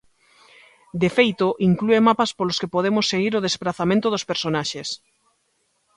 De feito, inclúe mapas polos que podemos seguir o desprazamento dos personaxes.